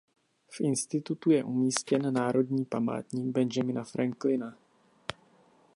V institutu je umístěn Národní památník Benjamina Franklina.